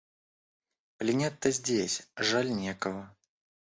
Пленять-то здесь, жаль, некого.